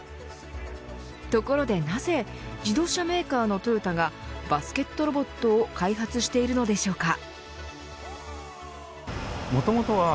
ところでなぜ自動車メーカーのトヨタがバスケットロボットを開発しているのでしょうか。